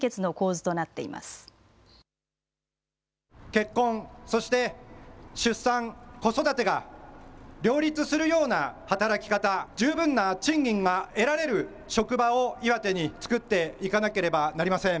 結婚、そして出産、子育てが両立するような働き方、十分な賃金が得られる職場を岩手に作っていかなければなりません。